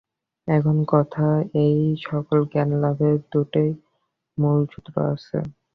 এখন কথা এই, সকল জ্ঞান-লাভের দুইটি মূলসূত্র আছে।